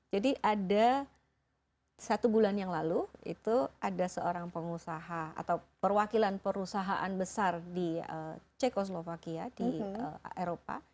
jadi ada satu bulan yang lalu itu ada seorang pengusaha atau perwakilan perusahaan besar di cekoslovakia di eropa